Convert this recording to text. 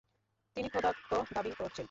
তিনি খোদাত্ব দাবি করছেন।